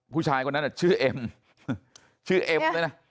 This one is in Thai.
ผู้ชายคนนั้นชื่อเอ็มชื่อเอ็มด้วยนะ